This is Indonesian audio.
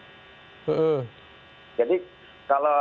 jadi kalau dokumen itu memenuhi syarat itu akan di cek di pos pertama bang